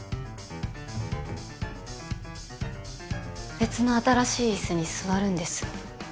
別の新しい椅子に座るんです。